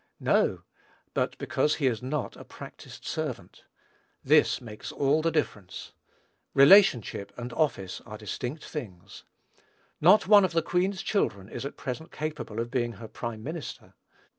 No; but because he is not a practised servant. This makes all the difference. Relationship and office are distinct things. Not one of the Queen's children is at present capable of being her prime minister.